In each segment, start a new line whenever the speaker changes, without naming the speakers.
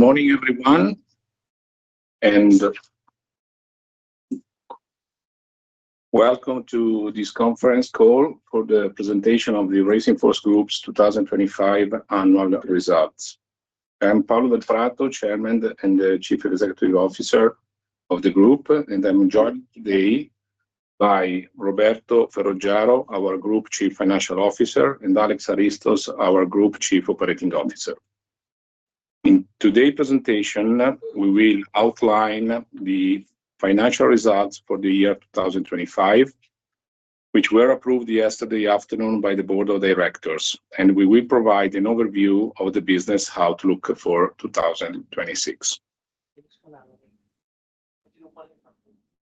Good morning, everyone, and welcome to this conference call for the presentation of the Racing Force Group's 2025 annual results. I'm Paolo Delprato, Chairman and Chief Executive Officer of the group, and I'm joined today by Roberto Ferroggiaro, our Group Chief Financial Officer, and Alexandros Haristos, our Group Chief Operating Officer. In today's presentation, we will outline the financial results for the year 2025, which were approved yesterday afternoon by the Board of Directors, and we will provide an overview of the business outlook for 2026.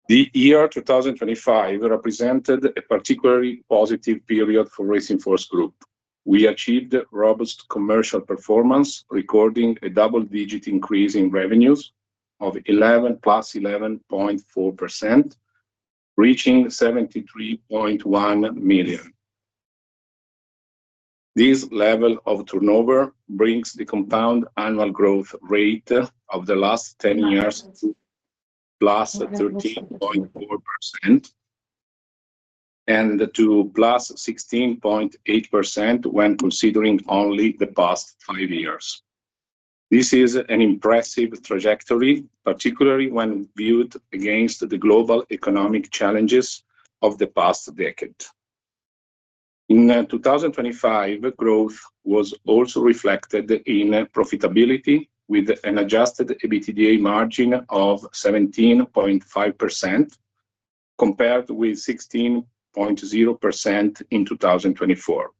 The year 2025 represented a particularly positive period for Racing Force Group. We achieved robust commercial performance, recording a double-digit increase in revenues of 11.4%, reaching EUR 73.1 million. This level of turnover brings the compound annual growth rate of the last 10 years to +13.4% and to +16.8% when considering only the past five years. This is an impressive trajectory, particularly when viewed against the global economic challenges of the past decade. In 2025, growth was also reflected in profitability with an Adjusted EBITDA margin of 17.5% compared with 16.0% in 2024.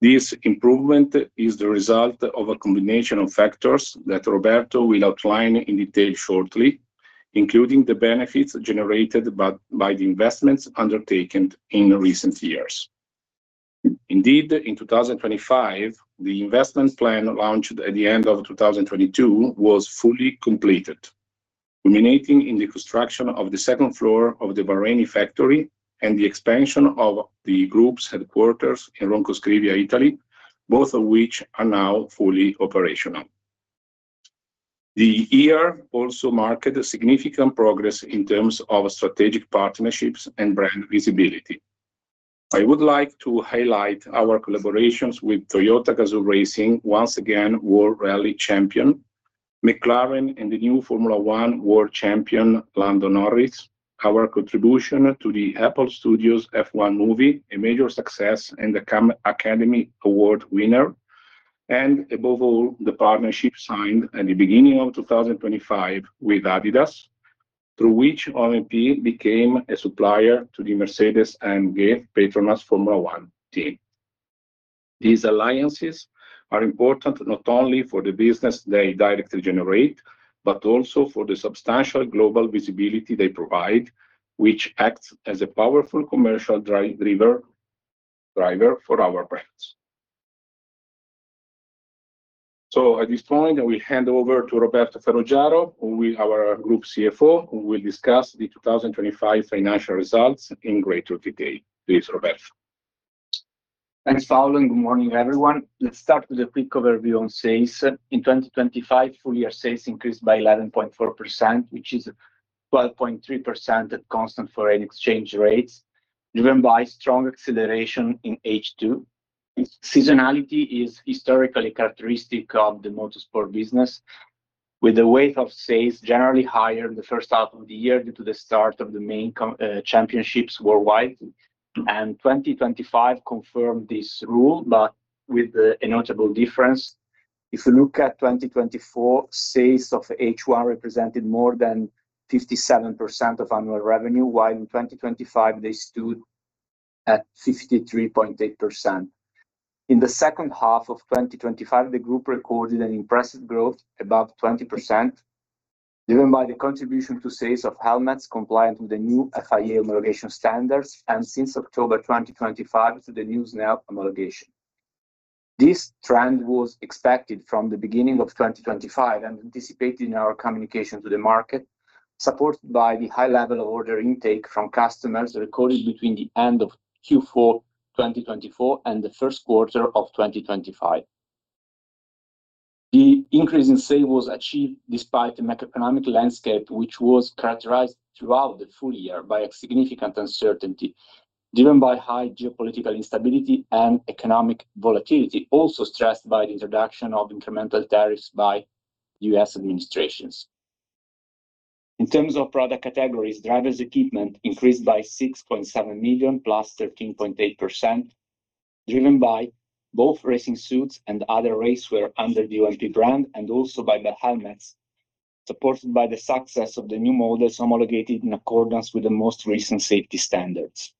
This improvement is the result of a combination of factors that Roberto will outline in detail shortly, including the benefits generated by the investments undertaken in recent years. Indeed, in 2025, the investment plan launched at the end of 2022 was fully completed, culminating in the construction of the second floor of the Varani factory and the expansion of the group's headquarters in Ronco Scrivia, Italy, both of which are now fully operational. The year also marked a significant progress in terms of strategic partnerships and brand visibility. I would like to highlight our collaborations with Toyota Gazoo Racing, once again World Rally Champion, McLaren and the new Formula 1 World Champion, Lando Norris, our contribution to the Apple Studios F1 movie, a major success and Academy Award winner, and above all, the partnership signed at the beginning of 2025 with adidas, through which OMP became a supplier to the Mercedes-AMG PETRONAS Formula 1 Team. These alliances are important not only for the business they directly generate, but also for the substantial global visibility they provide, which acts as a powerful commercial driver for our brands. At this point, I will hand over to Roberto Ferroggiaro, our Group CFO, who will discuss the 2025 financial results in greater detail. Please, Roberto.
Thanks, Paolo, and good morning, everyone. Let's start with a quick overview on sales. In 2025, full year sales increased by 11.4%, which is 12.3% at constant foreign exchange rates, driven by strong acceleration in H2. Seasonality is historically characteristic of the motorsport business, with the weight of sales generally higher in the first half of the year due to the start of the main championships worldwide. 2025 confirmed this rule, but with a notable difference. If you look at 2024, sales of H1 represented more than 57% of annual revenue, while in 2025 they stood at 53.8%. In the second half of 2025, the group recorded an impressive growth above 20%, driven by the contribution to sales of helmets compliant with the new FIA homologation standards and since October 2025 to the new SNELL homologation. This trend was expected from the beginning of 2025 and anticipated in our communication to the market, supported by the high level of order intake from customers recorded between the end of Q4 2024 and the first quarter of 2025. The increase in sales was achieved despite the macroeconomic landscape, which was characterized throughout the full year by a significant uncertainty driven by high geopolitical instability and economic volatility, also stressed by the introduction of incremental tariffs by U.S. administrations. In terms of product categories, drivers' equipment increased by 6.7 million, +13.8%, driven by both racing suits and other racewear under the OMP brand and also by the helmets, supported by the success of the new models homologated in accordance with the most recent safety standards.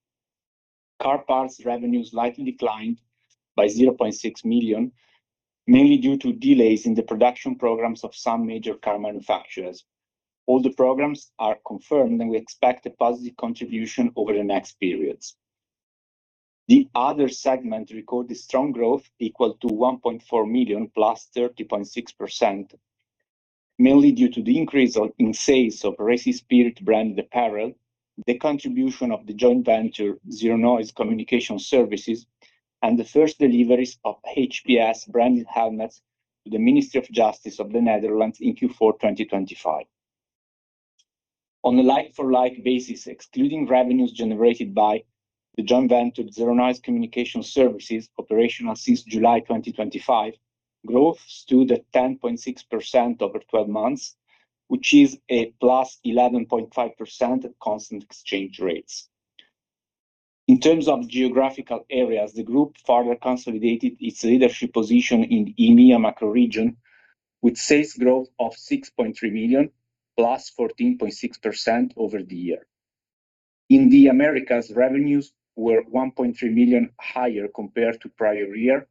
Car parts revenues slightly declined by 0.6 million, mainly due to delays in the production programs of some major car manufacturers. All the programs are confirmed, and we expect a positive contribution over the next periods. The other segment recorded strong growth equal to 1.4 million, +30.6%. Mainly due to the increase in sales of Racing Spirit branded apparel, the contribution of the joint venture, Zeronoise Communication Services, and the first deliveries of HPS branded helmets to the Ministry of Justice of the Netherlands in Q4 2025. On a like-for-like basis, excluding revenues generated by the joint venture, Zeronoise Communication Services, operational since July 2025, growth stood at 10.6% over 12 months, which is a +11.5% at constant exchange rates. In terms of geographical areas, the group further consolidated its leadership position in EMEA macro region with sales growth of 6.3 million, +14.6% over the year. In the Americas, revenues were 1.3 million higher compared to prior year,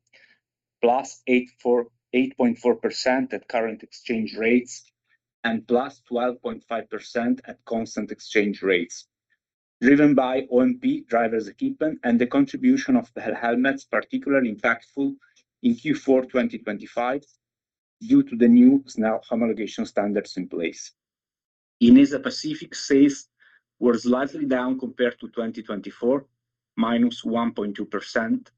+8.4% at current exchange rates and +12.5% at constant exchange rates, driven by OMP drivers equipment and the contribution of the helmets particularly impactful in Q4 2025 due to the new SNELL homologation standards in place. In Asia Pacific, sales were slightly down compared to 2024, -1.2%.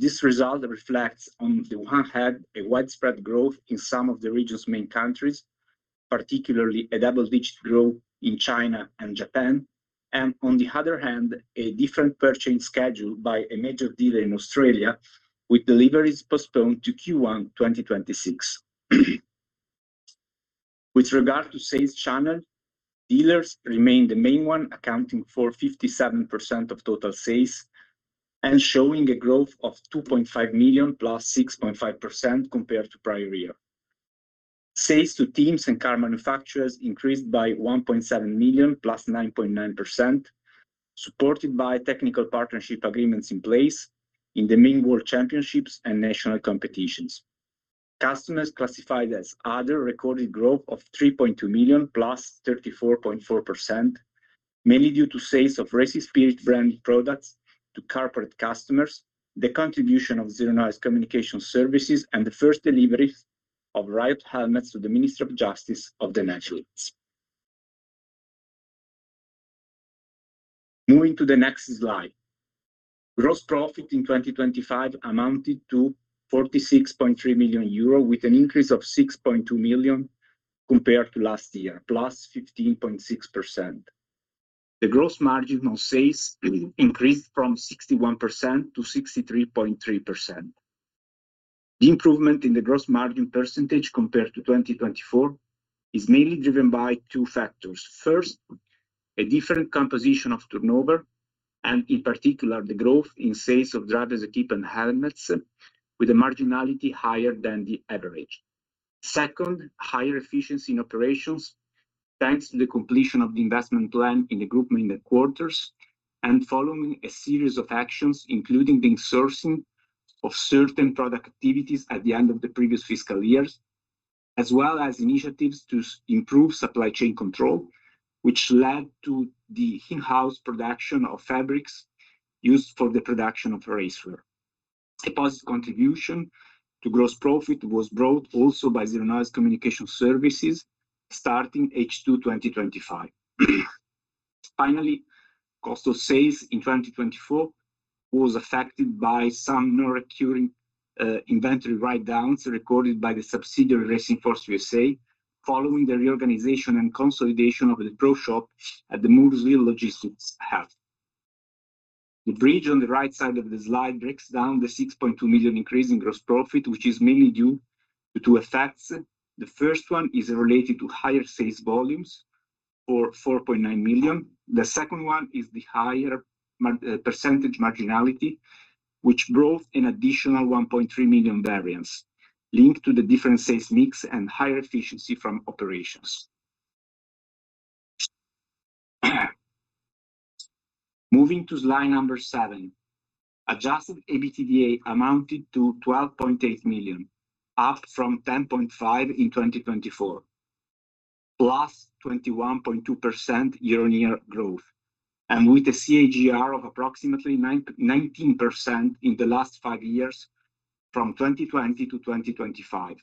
This result reflects on the one hand, a widespread growth in some of the region's main countries, particularly a double-digit growth in China and Japan, and on the other hand, a different purchasing schedule by a major dealer in Australia, with deliveries postponed to Q1 2026. With regard to sales channel, dealers remained the main one, accounting for 57% of total sales and showing a growth of 2.5 million, +6.5% compared to prior year. Sales to teams and car manufacturers increased by 1.7 million, +9.9%, supported by technical partnership agreements in place in the main world championships and national competitions. Customers classified as other recorded growth of 3.2 million, +34.4%, mainly due to sales of Racing Spirit brand products to corporate customers, the contribution of Zeronoise Communication Services, and the first deliveries of Riot helmets to the Ministry of Justice and Security of the Netherlands. Moving to the next slide. Gross profit in 2025 amounted to 46.3 million euro, with an increase of 6.2 million compared to last year, +15.6%. The gross margin on sales increased from 61%-63.3%. The improvement in the gross margin percentage compared to 2024 is mainly driven by two factors. First, a different composition of turnover and in particular, the growth in sales of driver's equipment and helmets with a marginality higher than the average. Second, higher efficiency in operations, thanks to the completion of the investment plan in the Group main headquarters and following a series of actions, including the outsourcing of certain product activities at the end of the previous fiscal years, as well as initiatives to improve supply chain control, which led to the in-house production of fabrics used for the production of race wear. A positive contribution to gross profit was brought also by Zeronoise Communication Services starting H2 2025. Finally, cost of sales in 2024 was affected by some non-recurring inventory write-downs recorded by the subsidiary, Racing Force USA, following the reorganization and consolidation of the Pro-Shops at the Mooresville logistics hub. The bridge on the right side of the slide breaks down the 6.2 million increase in gross profit, which is mainly due to two effects. The first one is related to higher sales volumes for 4.9 million. The second one is the higher percentage marginality, which brought an additional 1.3 million variance linked to the different sales mix and higher efficiency from operations. Moving to slide number seven. Adjusted EBITDA amounted to 12.8 million, up from 10.5 million in 2024, +21.2% year-on-year growth, and with a CAGR of approximately 19% in the last five years, from 2020 to 2025.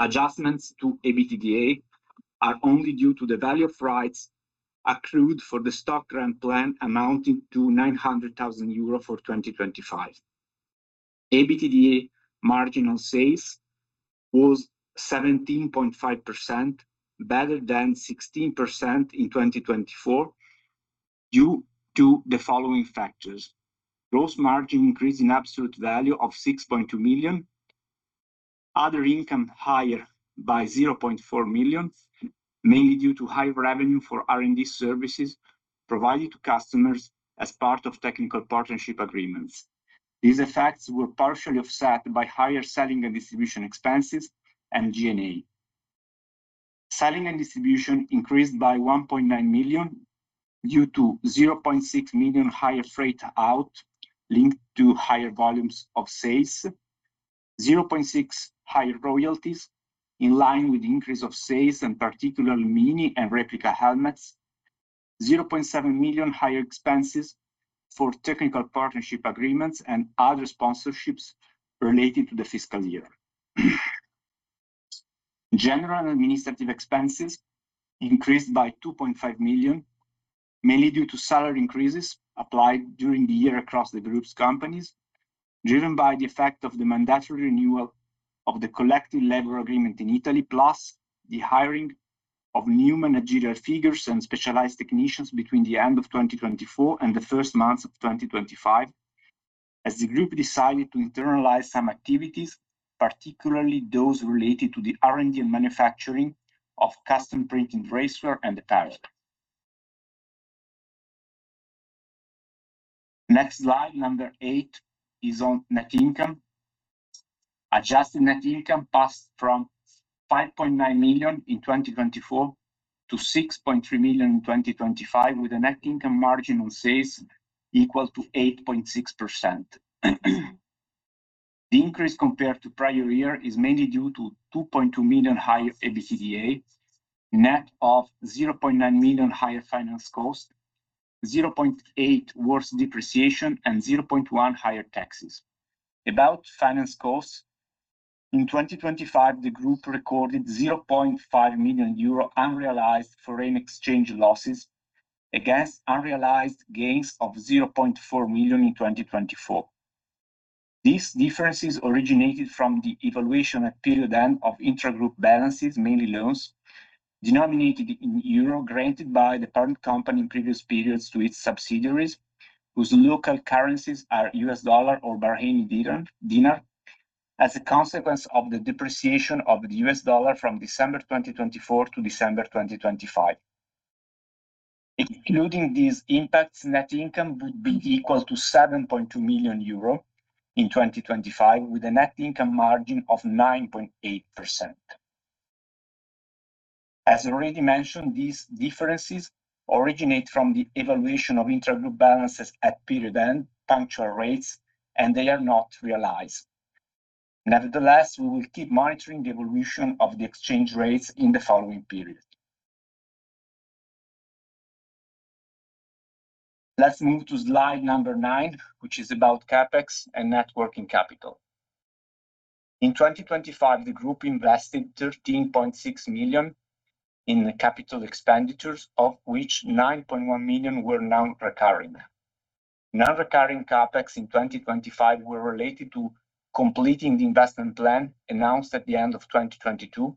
Adjustments to EBITDA are only due to the value of rights accrued for the stock grant plan amounting to 900,000 euro for 2025. EBITDA margin on sales was 17.5%, better than 16% in 2024 due to the following factors. Gross margin increase in absolute value of 6.2 million. Other income higher by 0.4 million, mainly due to higher revenue for R&D services provided to customers as part of technical partnership agreements. These effects were partially offset by higher selling and distribution expenses and G&A. Selling and distribution increased by 1.9 million due to 0.6 million higher freight out linked to higher volumes of sales, 0.6 higher royalties in line with the increase of sales and particularly mini and replica helmets 0.7 million higher expenses for technical partnership agreements and other sponsorships related to the fiscal year. General and administrative expenses increased by 2.5 million, mainly due to salary increases applied during the year across the group's companies, driven by the effect of the mandatory renewal of the collective labor agreement in Italy, plus the hiring of new managerial figures and specialized technicians between the end of 2024 and the first months of 2025, as the group decided to internalize some activities, particularly those related to the R&D and manufacturing of custom printing racewear and apparel. Next slide, number eight, is on net income. Adjusted net income passed from 5.9 million in 2024 to 6.3 million in 2025, with a net income margin on sales equal to 8.6%. The increase compared to prior year is mainly due to 2.2 million higher EBITDA, net of 0.9 million higher finance cost, 0.8 worse depreciation, and 0.1 higher taxes. About finance costs, in 2025, the group recorded 0.5 million euro unrealized foreign exchange losses against unrealized gains of 0.4 million in 2024. These differences originated from the evaluation at period end of intragroup balances, mainly loans, denominated in euro, granted by the parent company in previous periods to its subsidiaries, whose local currencies are U.S. Dollar or Bahraini dinar, as a consequence of the depreciation of the US dollar from December 2024 to December 2025. Including these impacts, net income would be equal to 72 million euro in 2025, with a net income margin of 9.8%. As already mentioned, these differences originate from the evaluation of intragroup balances at period end, punctual rates, and they are not realized. Nevertheless, we will keep monitoring the evolution of the exchange rates in the following period. Let's move to slide number nine, which is about CapEx and net working capital. In 2025, the group invested 13.6 million in capital expenditures, of which 9.1 million were non-recurring. Non-recurring CapEx in 2025 were related to completing the investment plan announced at the end of 2022,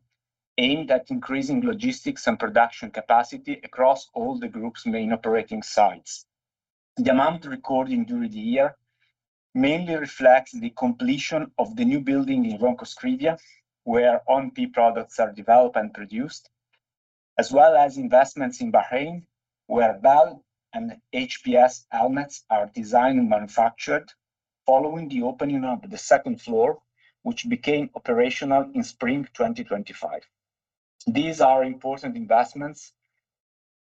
aimed at increasing logistics and production capacity across all the group's main operating sites. The amount recorded during the year mainly reflects the completion of the new building in Ronco Scrivia, where OMP products are developed and produced, as well as investments in Bahrain, where Bell and HPS helmets are designed and manufactured following the opening of the second floor, which became operational in spring 2025. These are important investments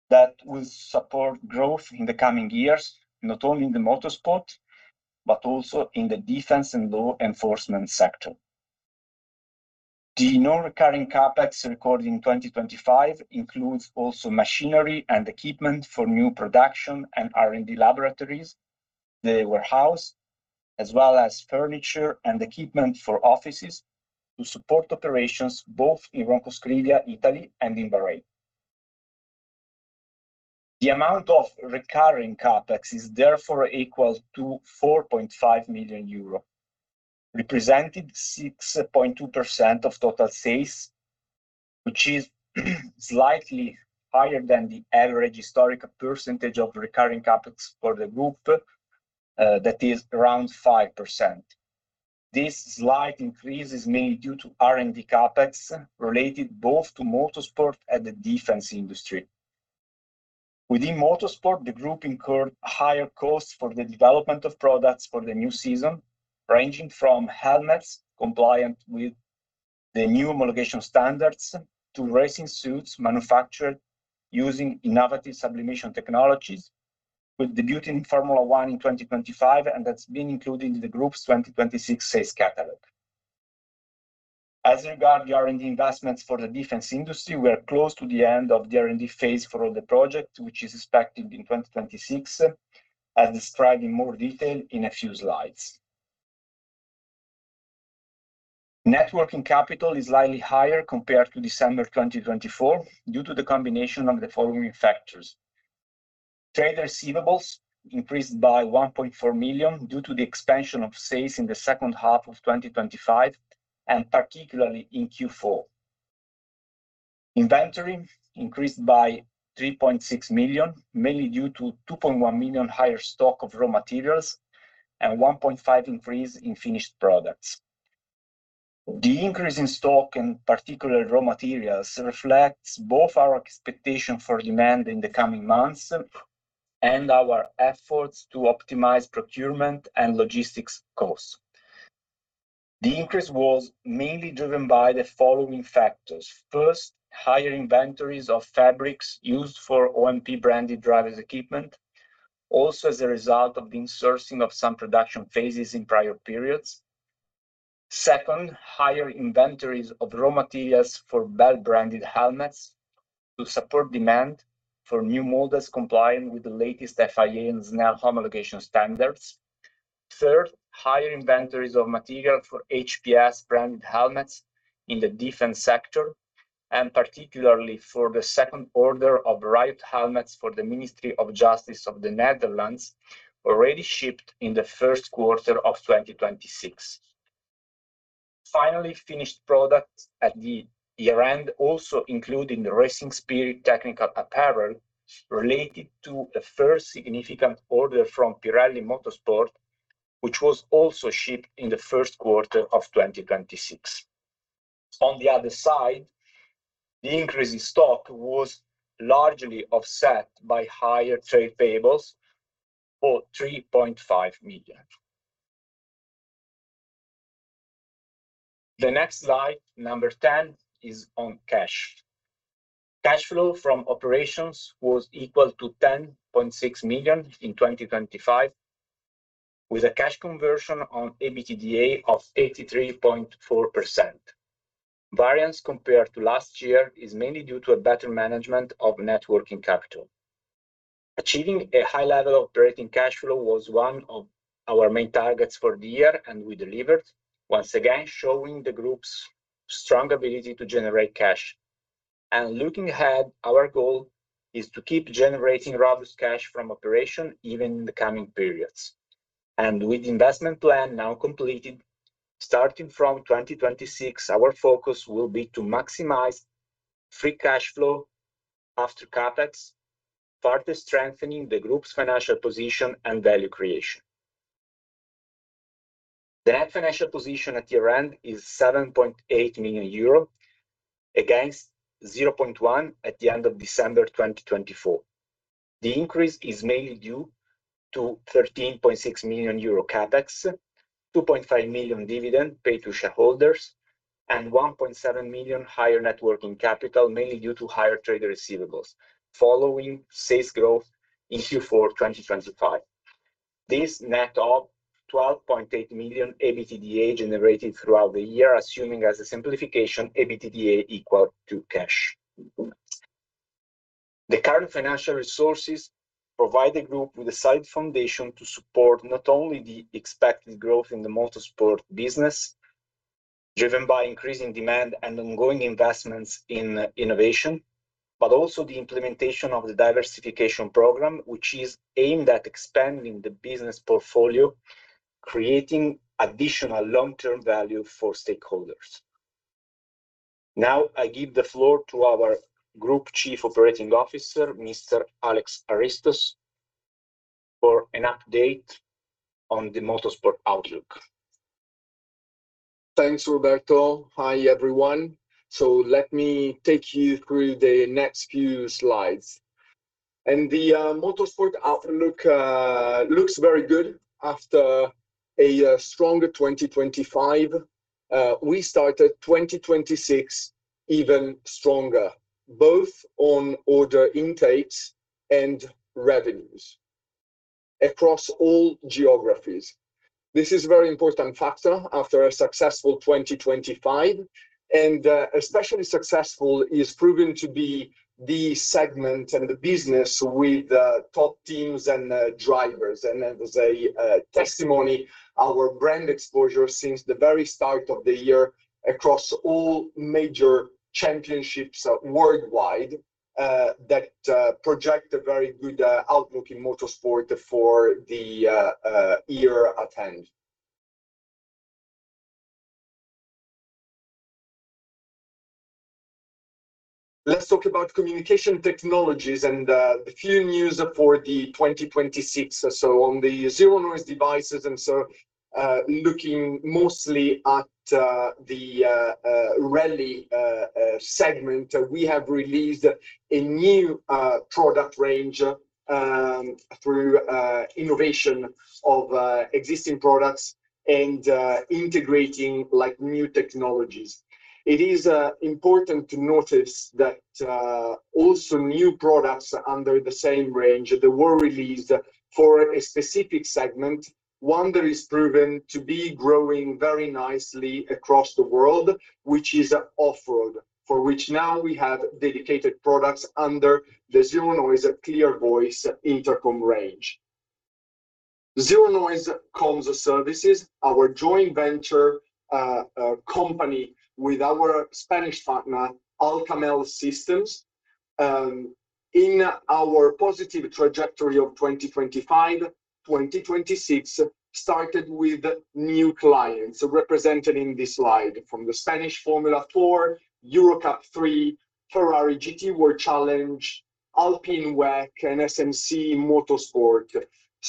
that will support growth in the coming years, not only in the motorsport, but also in the defense and law enforcement sector. The non-recurring CapEx recorded in 2025 includes also machinery and equipment for new production and R&D laboratories, as well as furniture and equipment for offices to support operations both in Ronco Scrivia, Italy, and in Bahrain. The amount of recurring CapEx is therefore equal to 4.5 million euro, representing 6.2% of total sales, which is slightly higher than the average historical percentage of recurring CapEx for the group, that is around 5%. This slight increase is mainly due to R&D CapEx related both to motorsport and the defense industry. Within motorsport, the group incurred higher costs for the development of products for the new season, ranging from helmets compliant with the new homologation standards to racing suits manufactured using innovative sublimation technologies, with debuting Formula 1 in 2025, and that's been included in the group's 2026 sales catalog. As regards the R&D investments for the defense industry, we are close to the end of the R&D phase for all the projects, which is expected in 2026, as described in more detail in a few slides. Net working capital is slightly higher compared to December 2024 due to the combination of the following factors. Trade receivables increased by 1.4 million due to the expansion of sales in the second half of 2025, and particularly in Q4. Inventory increased by 3.6 million, mainly due to 2.1 million higher stock of raw materials and 1.5 million increase in finished products. The increase in stock, in particular raw materials, reflects both our expectation for demand in the coming months and our efforts to optimize procurement and logistics costs. The increase was mainly driven by the following factors. First, higher inventories of fabrics used for OMP-branded driver's equipment, also as a result of the insourcing of some production phases in prior periods. Second, higher inventories of raw materials for Bell-branded helmets to support demand for new molds complying with the latest FIA and SNELL homologation standards. Third, higher inventories of material for HPS-branded helmets in the defense sector, and particularly for the second order of riot helmets for the Ministry of Justice of the Netherlands, already shipped in the first quarter of 2026. Finally, finished products at the year-end also include in the Racing Spirit technical apparel related to the first significant order from Pirelli Motorsport, which was also shipped in the first quarter of 2026. On the other side, the increase in stock was largely offset by higher trade payables for EUR 3.5 million. The next slide, number 10, is on cash. Cash flow from operations was equal to 10.6 million in 2025, with a cash conversion on EBITDA of 83.4%. Variance compared to last year is mainly due to a better management of net working capital. Achieving a high level of operating cash flow was one of our main targets for the year, and we delivered, once again, showing the group's strong ability to generate cash. Looking ahead, our goal is to keep generating robust cash from operation even in the coming periods. With the investment plan now completed, starting from 2026, our focus will be to maximize free cash flow after CapEx, further strengthening the group's financial position and value creation. The net financial position at year-end is 7.8 million euro against 0.1 million at the end of December 2024. The increase is mainly due to 13.6 million euro CapEx, 2.5 million dividend paid to shareholders, and 1.7 million higher net working capital, mainly due to higher trade receivables following sales growth in Q4 2025. This net of 12.8 million EBITDA generated throughout the year, assuming as a simplification, EBITDA equal to cash. The current financial resources provide the group with a solid foundation to support not only the expected growth in the motorsport business, driven by increasing demand and ongoing investments in innovation, but also the implementation of the diversification program, which is aimed at expanding the business portfolio, creating additional long-term value for stakeholders. Now, I give the floor to our Group Chief Operating Officer, Mr. Alexandros Haristos, for an update on the motorsport outlook.
Thanks, Roberto. Hi, everyone. Let me take you through the next few slides. The motorsport outlook looks very good after a stronger 2025. We started 2026 even stronger, both on order intakes and revenues across all geographies. This is a very important factor after a successful 2025, and especially successful is proving to be the segment and the business with the top teams and drivers. As a testimony, our brand exposure since the very start of the year across all major championships worldwide that project a very good outlook in motorsport for the year ahead. Let's talk about communication technologies and the new for the 2026. On the Zeronoise devices, looking mostly at the rally segment, we have released a new product range through innovation of existing products and integrating, like, new technologies. It is important to notice that also new products under the same range that were released for a specific segment, one that is proven to be growing very nicely across the world, which is off-road. For which now we have dedicated products under the Zeronoise ClearVoice intercom range. Zeronoise Comms Services, our joint venture company with our Spanish partner, Al Kamel Systems, in our positive trajectory of 2025, 2026 started with new clients represented in this slide from the Spanish Formula 4, Eurocup-3, Ferrari GT World Challenge, Alpine WEC, and SMC Motorsport.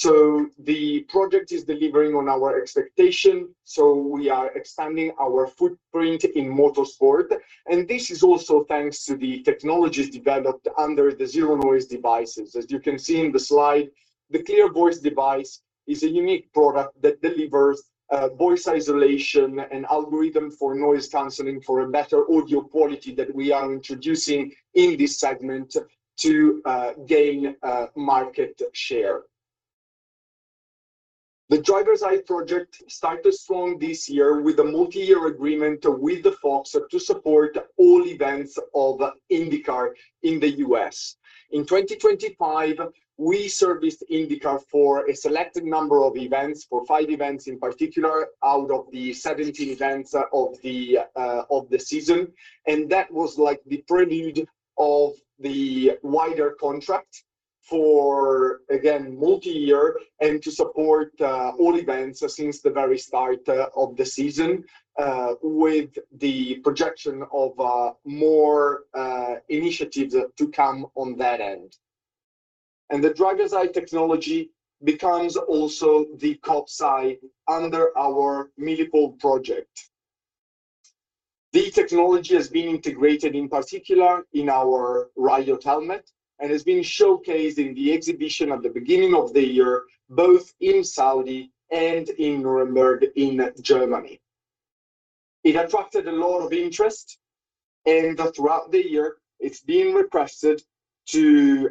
The project is delivering on our expectation, so we are expanding our footprint in motorsport, and this is also thanks to the technologies developed under the Zeronoise devices. As you can see in the slide, the ClearVoice device is a unique product that delivers voice isolation and algorithm for noise canceling for a better audio quality that we are introducing in this segment to gain market share. The Driver's Eye project started strong this year with a multi-year agreement with the Fox to support all events of IndyCar in the U.S. In 2025, we serviced IndyCar for a selected number of events, for five events in particular, out of the 17 events of the season, and that was like the prelude of the wider contract for, again, multi-year and to support all events since the very start of the season, with the projection of more initiatives to come on that end. The Driver's Eye technology becomes also the cops' side under our Milipol project. The technology has been integrated, in particular in our riot helmet, and has been showcased in the exhibition at the beginning of the year, both in Saudi and in Nuremberg in Germany. It attracted a lot of interest, and throughout the year, it's been requested to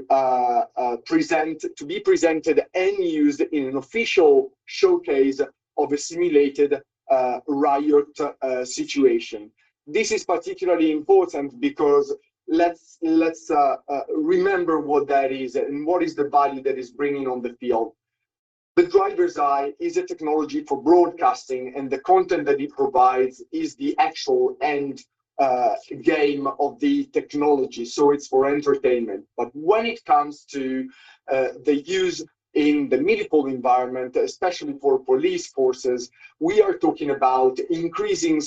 be presented and used in an official showcase of a simulated riot situation. This is particularly important because let's remember what that is and what is the value that is bringing on the field. The Driver's Eye is a technology for broadcasting, and the content that it provides is the actual end game of the technology, so it's for entertainment. When it comes to the use in the Milipol environment, especially for police forces, we are talking about increasing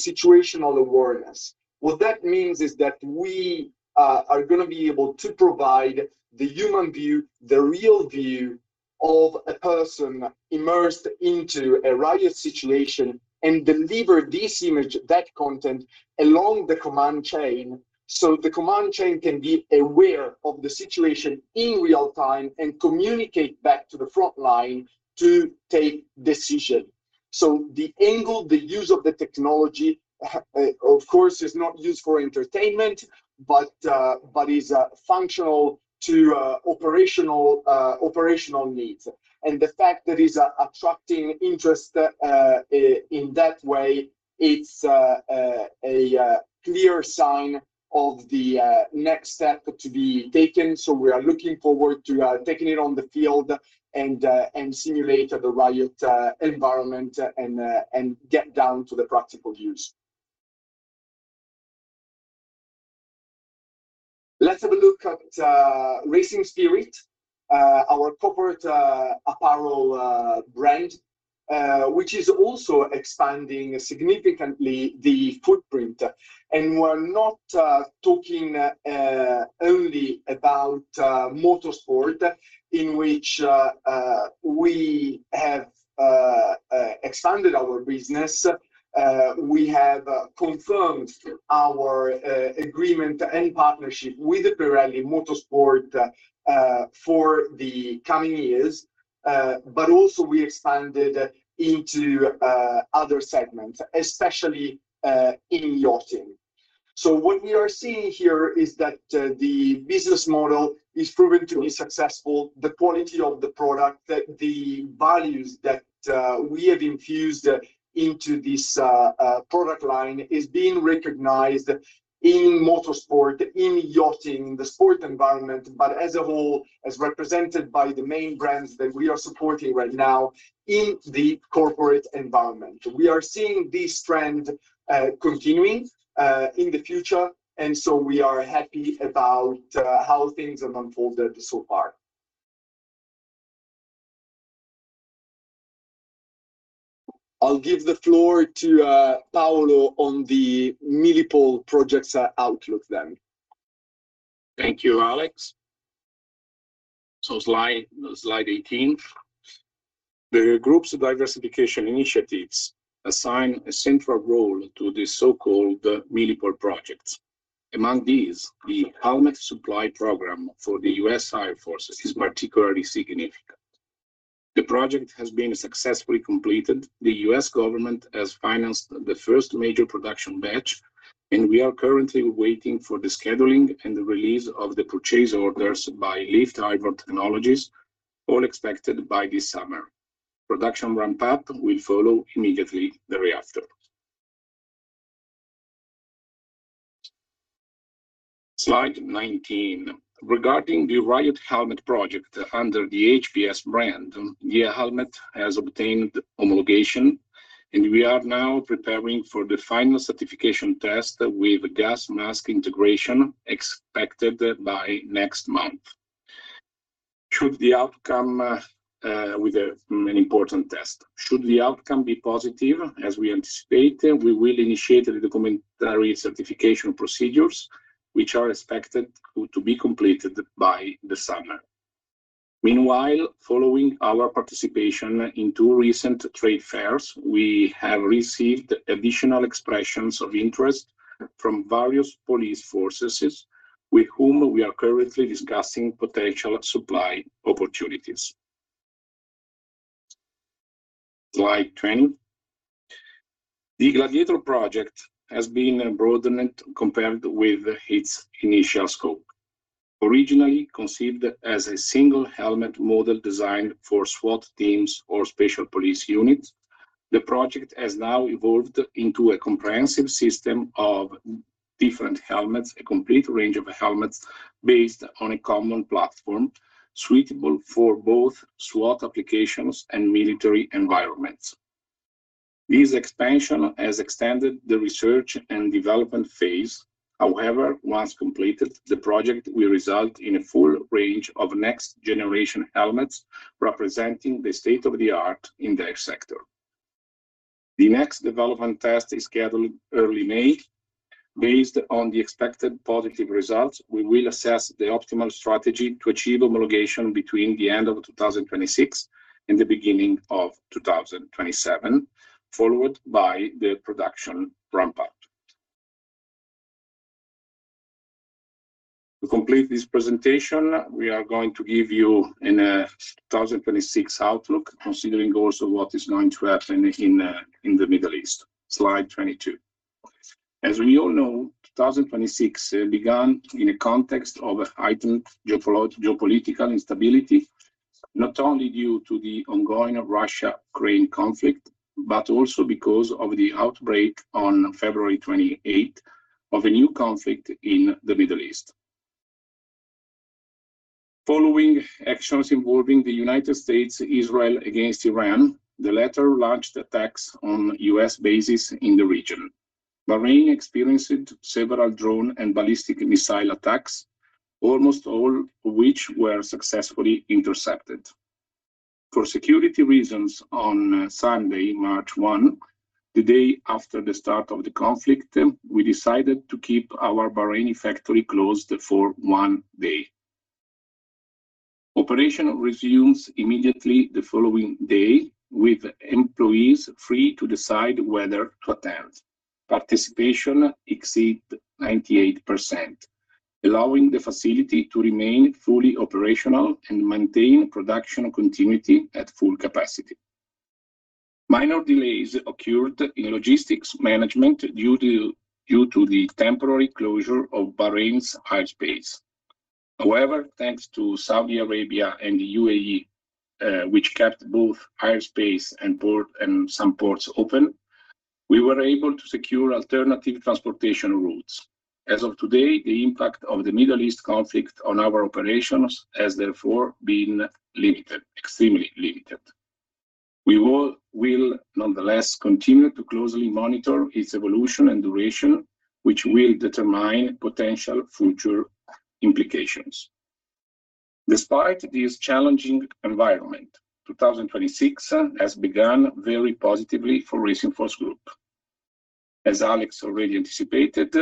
situational awareness. What that means is that we are gonna be able to provide the human view, the real view of a person immersed into a riot situation and deliver this image, that content, along the command chain, so the command chain can be aware of the situation in real time and communicate back to the front line to take decision. The angle, the use of the technology, of course, is not used for entertainment, but is functional to operational needs. The fact that it's attracting interest in that way, it's a clear sign of the next step to be taken. We are looking forward to taking it on the field and simulate the riot environment and get down to the practical use. Let's have a look at Racing Spirit, our corporate apparel brand, which is also expanding significantly the footprint. We're not talking only about motorsport, in which we have expanded our business. We have confirmed our agreement and partnership with Pirelli Motorsport for the coming years. Also we expanded into other segments, especially in yachting. What we are seeing here is that the business model is proving to be successful. The quality of the product, the values that we have infused into this product line is being recognized in motorsport, in yachting, the sport environment, but as a whole, as represented by the main brands that we are supporting right now in the corporate environment. We are seeing this trend continuing in the future, and so we are happy about how things have unfolded so far. I'll give the floor to Paolo on the Milipol projects outlook then.
Thank you, Alex. Slide eighteen. The group's diversification initiatives assign a central role to the so-called Milipol projects. Among these, the helmet supply program for the U.S. Air Force is particularly significant. The project has been successfully completed. The U.S. government has financed the first major production batch, and we are currently waiting for the scheduling and the release of the purchase orders by LIFT Airborne Technologies, all expected by this summer. Production ramp-up will follow immediately thereafter. Slide nineteen. Regarding the riot helmet project under the HPS brand, the helmet has obtained homologation, and we are now preparing for the final certification test with gas mask integration expected by next month. Should the outcome be positive as we anticipate, we will initiate the documentary certification procedures, which are expected to be completed by the summer. Meanwhile, following our participation in two recent trade fairs, we have received additional expressions of interest from various police forces with whom we are currently discussing potential supply opportunities. Slide 20. The Gladiator project has been broadened compared with its initial scope. Originally conceived as a single helmet model designed for SWAT teams or special police units, the project has now evolved into a comprehensive system of different helmets, a complete range of helmets based on a common platform suitable for both SWAT applications and military environments. This expansion has extended the research and development phase. However, once completed, the project will result in a full range of next generation helmets representing the state-of-the-art in their sector. The next development test is scheduled early May. Based on the expected positive results, we will assess the optimal strategy to achieve homologation between the end of 2026 and the beginning of 2027, followed by the production ramp-up. To complete this presentation, we are going to give you an 2026 outlook considering also what is going to happen in the Middle East. Slide 22. As we all know, 2026 began in a context of heightened geopolitical instability, not only due to the ongoing Russia-Ukraine conflict, but also because of the outbreak on February 28 of a new conflict in the Middle East. Following actions involving the United States, Israel against Iran, the latter launched attacks on U.S. bases in the region. Bahrain experienced several drone and ballistic missile attacks, almost all of which were successfully intercepted. For security reasons, on Sunday, March 1, the day after the start of the conflict, we decided to keep our Bahrain factory closed for one day. Operation resumes immediately the following day with employees free to decide whether to attend. Participation exceed 98%, allowing the facility to remain fully operational and maintain production continuity at full capacity. Minor delays occurred in logistics management due to the temporary closure of Bahrain's airspace. However, thanks to Saudi Arabia and the UAE, which kept both airspace and port and some ports open, we were able to secure alternative transportation routes. As of today, the impact of the Middle East conflict on our operations has therefore been limited, extremely limited. We will nonetheless continue to closely monitor its evolution and duration, which will determine potential future implications. Despite this challenging environment, 2026 has begun very positively for Racing Force Group. As Alex already anticipated,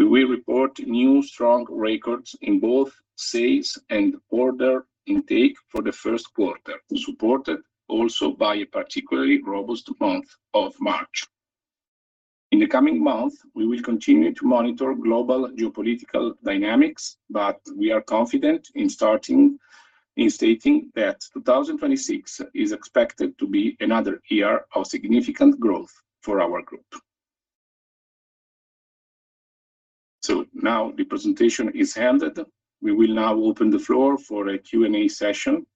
we will report new strong records in both sales and order intake for the first quarter, supported also by a particularly robust month of March. In the coming month, we will continue to monitor global geopolitical dynamics, but we are confident in starting, in stating that 2026 is expected to be another year of significant growth for our group. Now the presentation is ended. We will now open the floor for a Q&A session.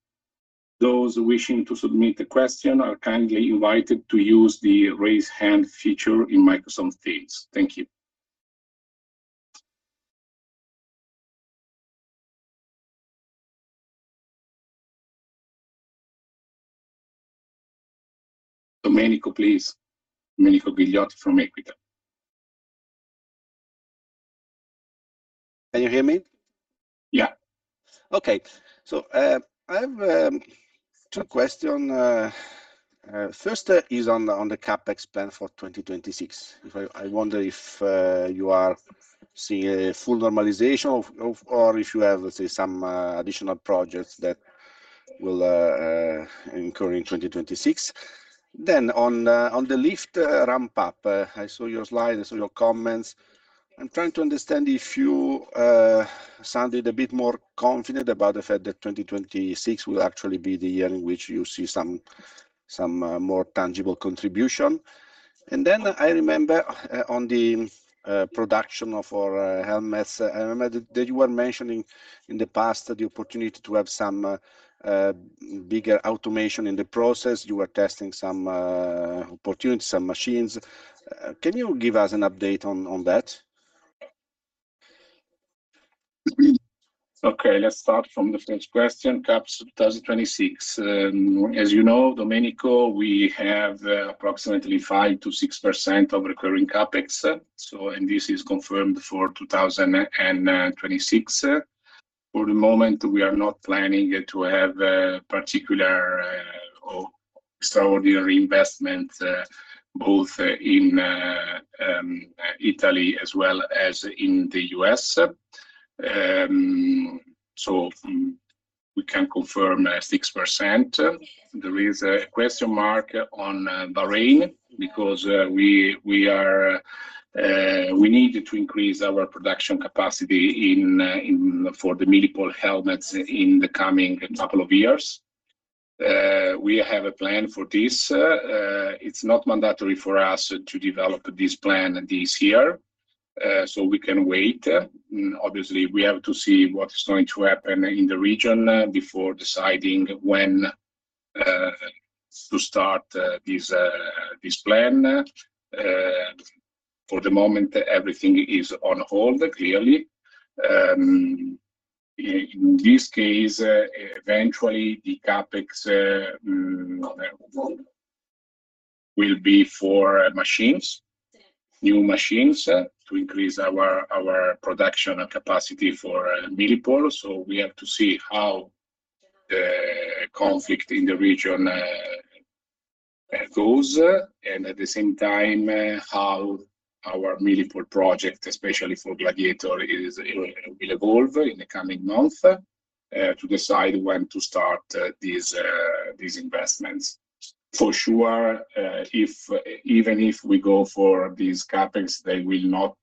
Those wishing to submit a question are kindly invited to use the Raise Hand feature in Microsoft Teams. Thank you. Domenico, please. Domenico Ghilotti from EQUITA.
Can you hear me?
Yeah.
Okay. I have two questions. First is on the CapEx plan for 2026. I wonder if you are seeing a full normalization or if you have, let's say, some additional projects that will occur in 2026. On the LIFT ramp-up, I saw your slides and your comments. I'm trying to understand if you sounded a bit more confident about the fact that 2026 will actually be the year in which you see some more tangible contribution. I remember on the production of our helmets. I remember that you were mentioning in the past that the opportunity to have some bigger automation in the process. You were testing some opportunities, some machines. Can you give us an update on that?
Okay, let's start from the first question. CapEx 2026. As you know, Domenico, we have approximately 5%-6% of recurring CapEx. This is confirmed for 2026. For the moment, we are not planning to have a particular or extraordinary investment both in Italy as well as in the U.S. We can confirm 6%. There is a question mark on Bahrain because we need to increase our production capacity in for the medical helmets in the coming couple of years. We have a plan for this. It's not mandatory for us to develop this plan this year, so we can wait. Obviously, we have to see what is going to happen in the region before deciding when to start this plan. For the moment, everything is on hold clearly. In this case, eventually, the CapEx will be for machines, new machines to increase our production and capacity for Milipol. We have to see how the conflict in the region goes, and at the same time, how our Milipol project, especially for Gladiator, you know, will evolve in the coming months to decide when to start these investments. For sure, even if we go for these CapEx, they will not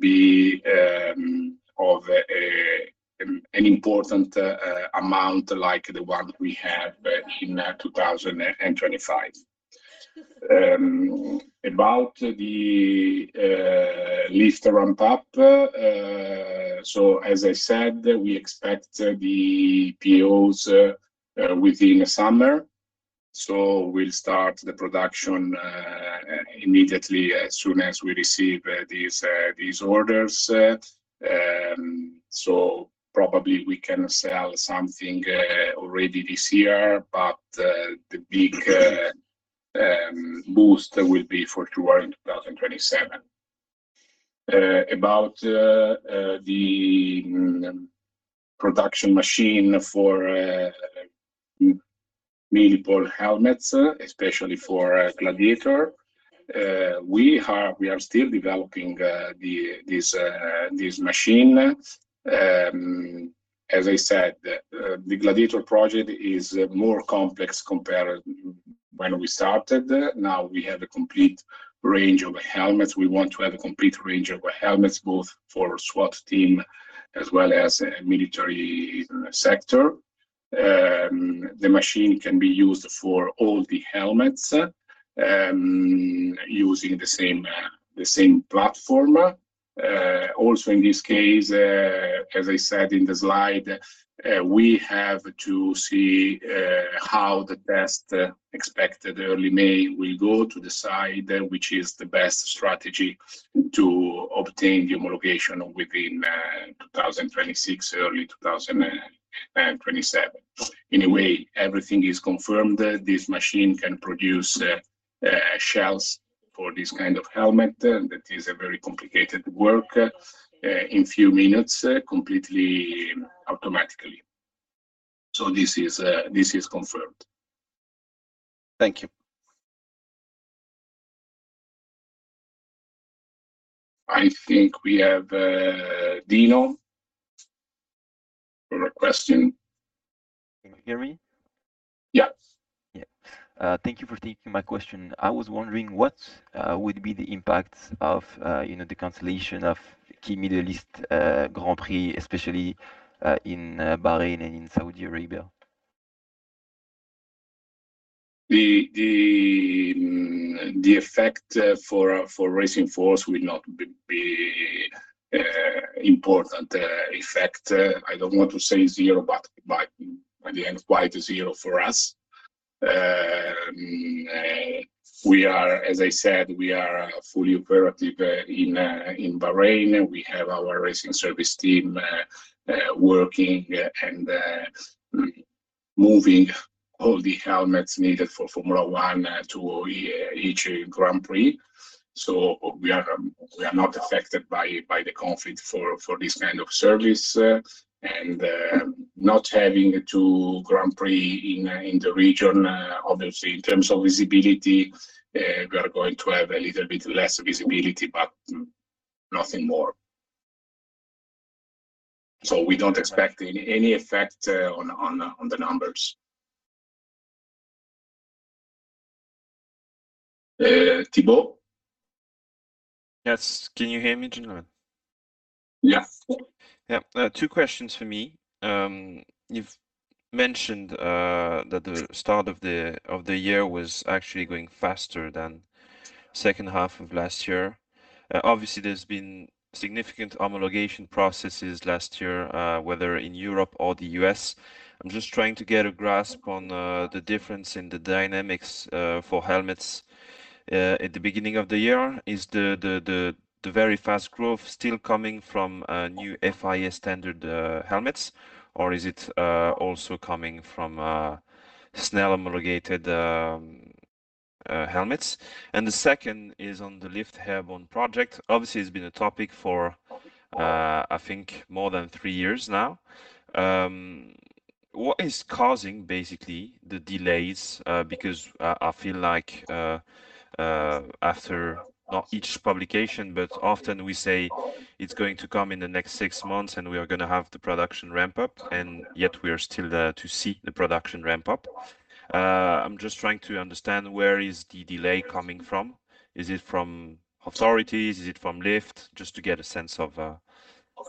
be of an important amount like the one we had in 2025. About the LIFT ramp-up, as I said, we expect the POs within the summer. We'll start the production immediately as soon as we receive these orders. Probably we can sell something already this year, but the big boost will be for Q1 in 2027. About the production machine for Milipol helmets, especially for Gladiator, we are still developing this machine. As I said, the Gladiator project is more complex compared when we started. Now we have a complete range of helmets. We want to have a complete range of helmets both for SWAT team as well as military sector. The machine can be used for all the helmets, using the same platform. Also in this case, as I said in the slide, we have to see how the test expected early May will go to decide which is the best strategy to obtain the homologation within 2026, early 2027. Anyway, everything is confirmed. This machine can produce shells for this kind of helmet, and that is a very complicated work in few minutes, completely automatically. This is confirmed.
Thank you.
I think we have Dino with a question.
Can you hear me?
Yes.
Yeah. Thank you for taking my question. I was wondering what would be the impact of, you know, the cancellation of key Middle East Grand Prix, especially in Bahrain and in Saudi Arabia?
The effect for Racing Force will not be important. The effect, I don't want to say zero, but at the end, quite zero for us. We are, as I said, fully operative in Bahrain. We have our racing service team working and moving all the helmets needed for Formula 1 to each Grand Prix. We are not affected by the conflict for this kind of service. Not having two Grand Prix in the region, obviously, in terms of visibility, we are going to have a little bit less visibility, but nothing more. We don't expect any effect on the numbers. Thibault?
Yes. Can you hear me, gentlemen?
Yes.
Yeah. Two questions for me. You've mentioned that the start of the year was actually going faster than second half of last year. Obviously, there's been significant homologation processes last year, whether in Europe or the U.S. I'm just trying to get a grasp on the difference in the dynamics for helmets at the beginning of the year. Is the very fast growth still coming from new FIA standard helmets, or is it also coming from SNELL homologated helmets? The second is on the LIFT Airborne project. Obviously, it's been a topic for I think more than three years now. What is causing basically the delays? Because I feel like after not each publication, but often we say it's going to come in the next six months, and we are gonna have the production ramp-up, and yet we are still yet to see the production ramp-up. I'm just trying to understand where the delay is coming from. Is it from authorities? Is it from LIFT? Just to get a sense of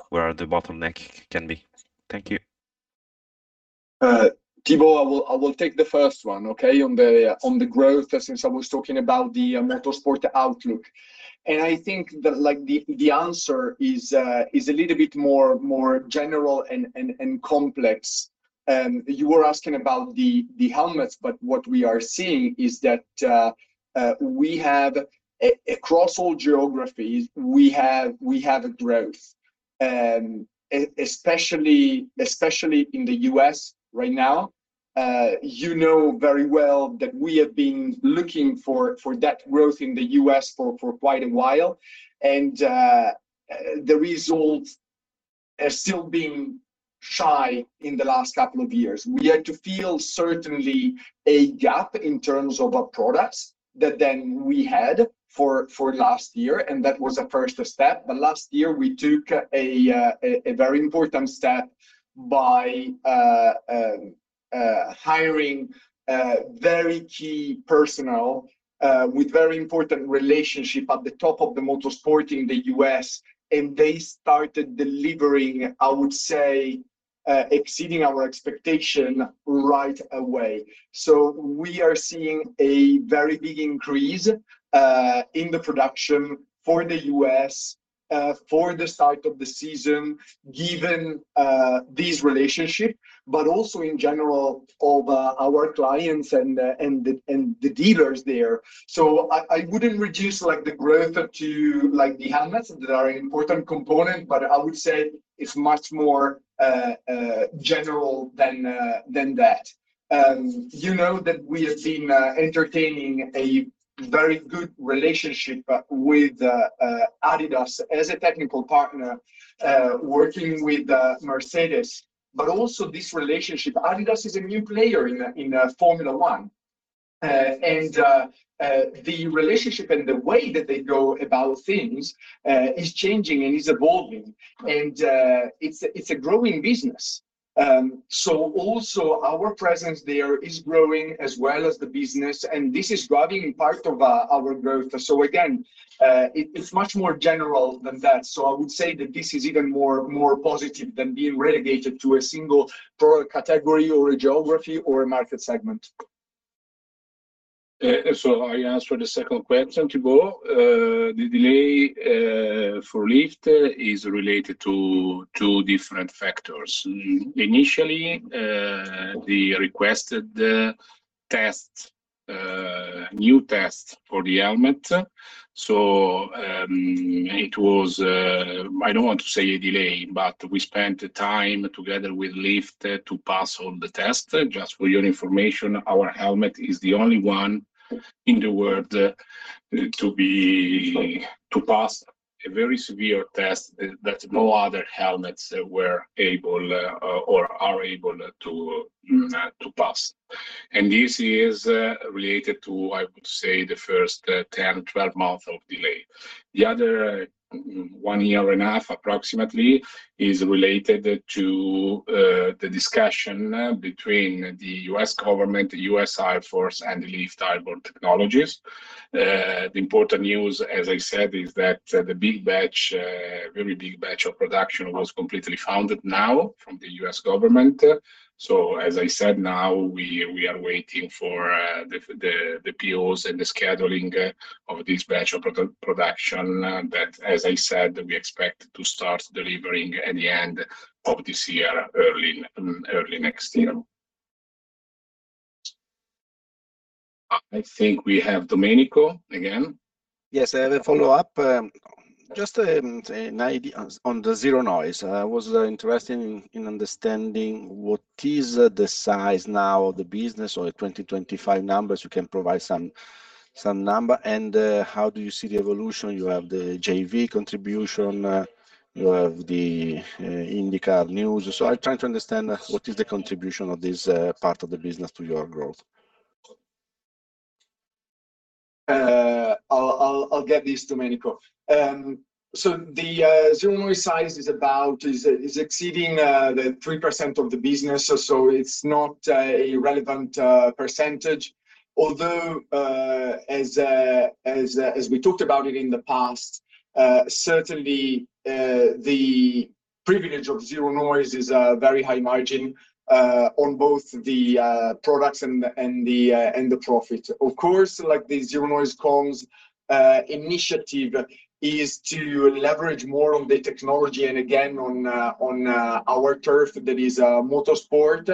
where the bottleneck can be. Thank you.
Thibault, I will take the first one, okay? On the growth, since I was talking about the motorsport outlook. I think that like the answer is a little bit more general and complex. You were asking about the helmets, but what we are seeing is that we have a growth across all geographies. Especially in the U.S. right now, you know very well that we have been looking for that growth in the U.S. for quite a while. The results are still being shy in the last couple of years. We had to fill certainly a gap in terms of our products that then we had for last year, and that was a first step. Last year we took a very important step by hiring very key personnel with very important relationship at the top of the motorsport in the U.S. and they started delivering, I would say, exceeding our expectation right away. We are seeing a very big increase in the production for the U.S. for the start of the season, given this relationship, but also in general of our clients and the dealers there. I wouldn't reduce like the growth to like the helmets that are an important component, but I would say it's much more general than that. You know that we have been entertaining a very good relationship with adidas as a technical partner working with Mercedes, but also this relationship. Adidas is a new player in Formula 1. The relationship and the way that they go about things is changing and is evolving, and it's a growing business. Also our presence there is growing as well as the business, and this is driving part of our growth. It's much more general than that. I would say that this is even more positive than being relegated to a single product category or a geography or a market segment.
I answer the second question, Thibault. The delay for LIFT is related to two different factors. Initially, they requested a new test for the helmet. It was, I don't want to say a delay, but we spent time together with LIFT to pass all the tests. Just for your information, our helmet is the only one in the world to pass a very severe test that no other helmets were able or are able to pass. This is related to, I would say, the first 10, 12 months of delay. The other one year and a half approximately is related to the discussion between the U.S. government, the U.S. Air Force and the LIFT Airborne Technologies. The important news, as I said, is that the big batch, very big batch of production was completely funded now from the U.S. government. As I said, now we are waiting for the POs and the scheduling of this batch of production, that, as I said, we expect to start delivering at the end of this year, early next year. I think we have Domenico again.
Yes, I have a follow-up. Just an idea on the Zeronoise. I was interested in understanding what is the size now of the business or the 2025 numbers. You can provide some number. How do you see the evolution? You have the JV contribution, you have the IndyCar news. I try to understand what is the contribution of this part of the business to your growth.
I'll get this, Domenico. The Zeronoise size is exceeding 3% of the business, so it's not a relevant percentage. Although, as we talked about it in the past, certainly the privilege of Zeronoise is a very high margin on both the products and the profit. Of course, like the Zeronoise comms initiative is to leverage more on the technology and again on our turf that is motorsport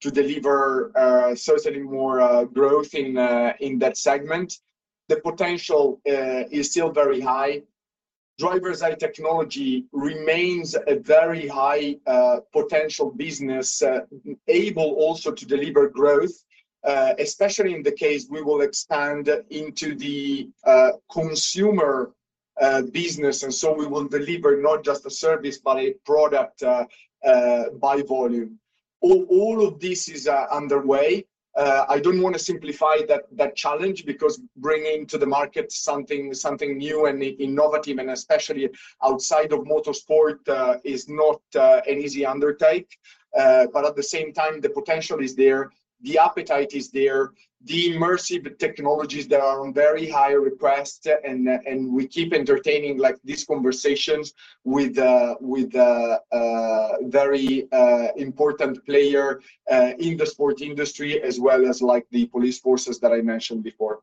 to deliver certainly more growth in that segment. The potential is still very high. Driver's Eye technology remains a very high potential business, able also to deliver growth, especially in the case we will expand into the consumer business, and so we will deliver not just a service but a product by volume. All of this is underway. I don't wanna simplify that challenge because bringing to the market something new and innovative and especially outside of motorsport is not an easy undertaking. But at the same time, the potential is there, the appetite is there, the immersive technologies that are in very high demand and we keep entertaining, like, these conversations with a very important player in the sports industry as well as, like, the police forces that I mentioned before.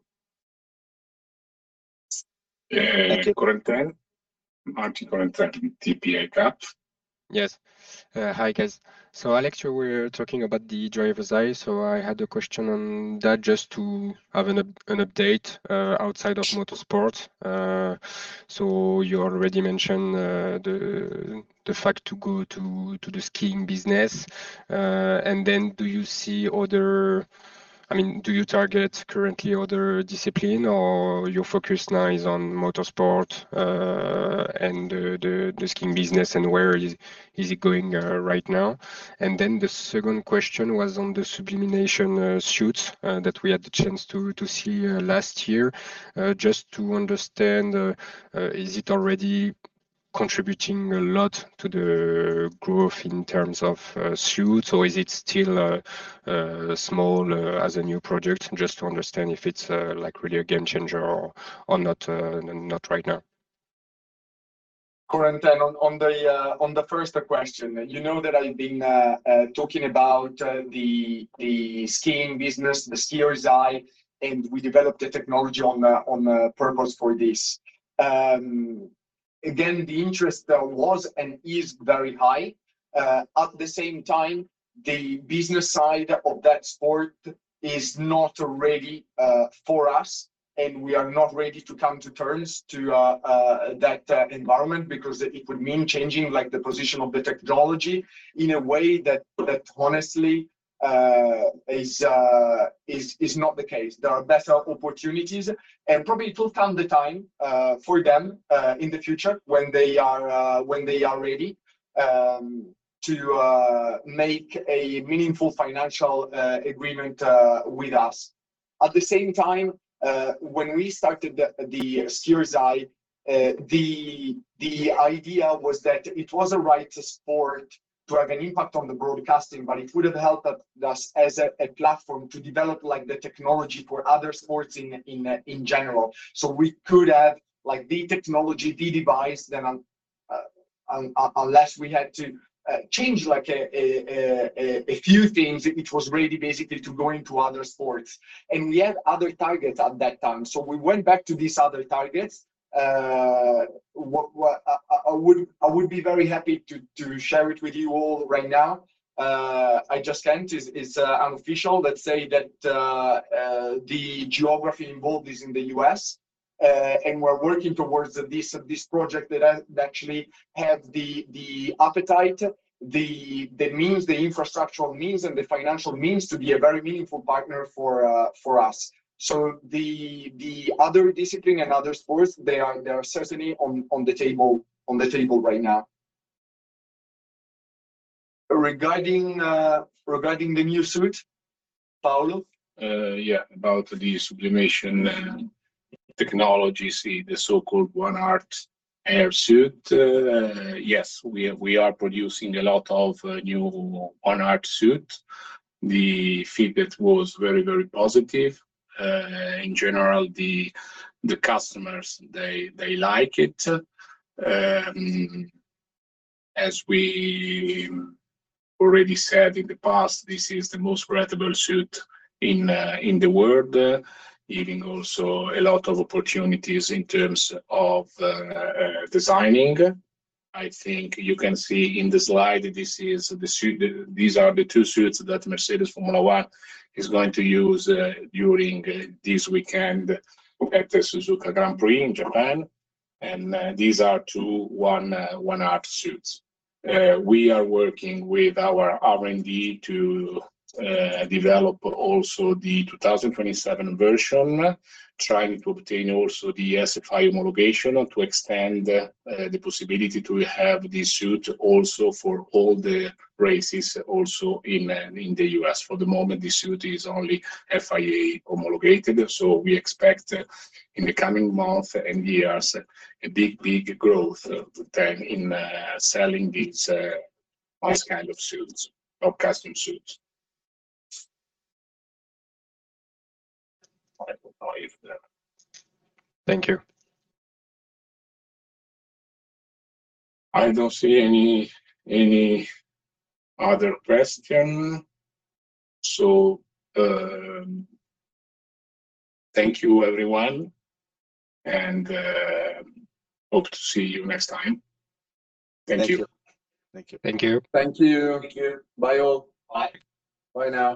Thank you.
Corentin Martin, TP ICAP.
Yes. Hi guys. Alex, you were talking about the Driver's Eye, so I had a question on that just to have an update outside of motorsport. You already mentioned the fact to go to the skiing business. Do you see other? I mean, do you target currently other discipline or your focus now is on motorsport and the skiing business and where is it going right now? The second question was on the sublimation suits that we had the chance to see last year. Just to understand, is it already contributing a lot to the growth in terms of suits or is it still a small as a new product? Just to understand if it's like really a game changer or not right now.
Corentin, on the first question, you know that I've been talking about the racing business, the Driver's Eye, and we developed a technology on purpose for this. Again, the interest was and is very high. At the same time, the business side of that sport is not ready for us, and we are not ready to come to terms to that environment because it would mean changing, like, the position of the technology in a way that honestly is not the case. There are better opportunities and probably it will come the time for them in the future when they are ready to make a meaningful financial agreement with us. At the same time, when we started the Driver's Eye, the idea was that it was the right sport to have an impact on the broadcasting, but it would have helped us as a platform to develop like the technology for other sports in general. We could have like the technology, the device, then unless we had to change a few things it was ready basically to go into other sports. We had other targets at that time. We went back to these other targets. What I would be very happy to share it with you all right now. I just can't. It's unofficial. Let's say that the geography involved is in the U.S., and we're working towards this project that we actually have the appetite, the means, the infrastructural means, and the financial means to be a very meaningful partner for us. The other discipline and other sports they are certainly on the table right now. Regarding the new suit, Paolo?
About the sublimation and technology, see the so-called One Art Air suit. Yes. We are producing a lot of new One Art suit. The feedback was very positive. In general, the customers they like it. As we already said in the past, this is the most breathable suit in the world, giving also a lot of opportunities in terms of designing. I think you can see in the slide this is the suit, these are the two suits that Mercedes Formula 1 is going to use during this weekend at the Suzuka Grand Prix in Japan and these are two One Art suits. We are working with our R&D to develop also the 2027 version, trying to obtain also the FIA homologation to extend the possibility to have this suit also for all the races also in the U.S. For the moment, this suit is only FIA homologated, so we expect in the coming month and years a big growth then in selling these kind of suits or custom suits. I will leave that.
Thank you.
I don't see any other question. Thank you everyone, and hope to see you next time. Thank you.
Thank you.
Thank you.
Thank you.
Thank you. Bye, all.
Bye.
Bye now.